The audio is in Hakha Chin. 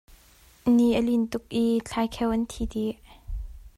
Ni a lin tuk i thlaikheu an thi dih.